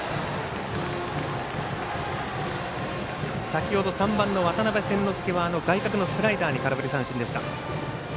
先ほど、３番の渡邉千之亮は外角のスライダーに空振り三振でした。